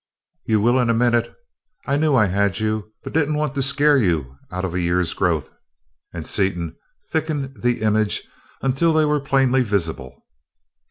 "You will in a minute. I knew I had you, but didn't want to scare you out of a year's growth," and Seaton thickened the image until they were plainly visible.